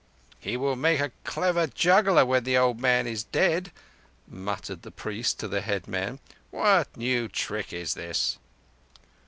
"He will make a clever juggler when the old man is dead," muttered the priest to the headman. "What new trick is this?"